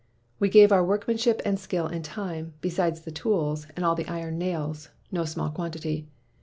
We gave our workmanship and skill and time, besides the tools, and all the iron nails (no small quantity).